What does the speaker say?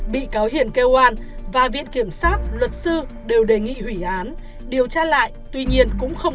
bị cáo hiền kêu an và viện kiểm sát luật sư đều đề nghị hủy án điều tra lại tuy nhiên cũng không